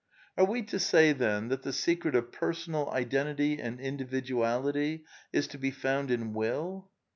Are we to say, then, that the secret of Personal Identity and Individuality is to be found in Will